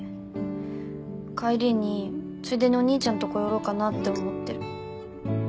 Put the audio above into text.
帰りについでにお兄ちゃんのとこ寄ろうかなって思ってる。